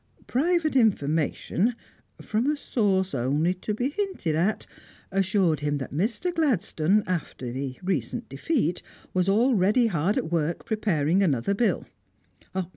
Private information from a source only to be hinted at assured him that Mr. Gladstone (after the recent defeat) was already hard at work preparing another Bill.